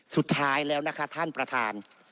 สุดท้ายแล้วนะคะท่านประธาน